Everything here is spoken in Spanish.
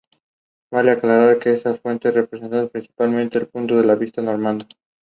Los gobernadores generales fueron miembros de la Dieta, oficiales civiles, generales o nobles japoneses.